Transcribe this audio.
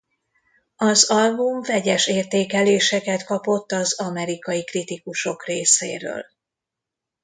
Az album vegyes értékeléseket kapott az amerikai kritikusok részéről.